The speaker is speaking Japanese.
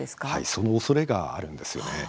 そのおそれがあるんですよね。